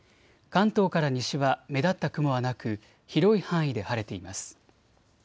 関東から西は目立った雲はなく広い範囲で晴れています。